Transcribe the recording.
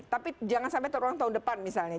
tapi jangan sampai terulang tahun depan misalnya